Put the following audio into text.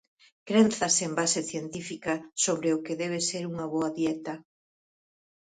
Crenzas sen base científica sobre o que debe ser unha boa dieta.